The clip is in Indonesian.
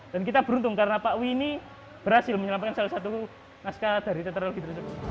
dan kita beruntung karena pak wi ini berhasil menyelamatkan salah satu naskah dari tetralogit